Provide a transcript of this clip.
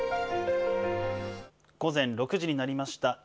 午前６時になりました。